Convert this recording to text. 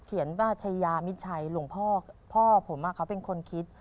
เขียนว่าชายามิดชัยหลวงพ่อพ่อผมเขาเป็นคนคิด